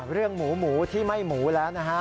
เรื่องหมูหมูที่ไม่หมูแล้วนะฮะ